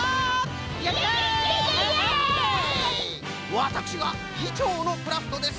わたくしがぎちょうのクラフトです。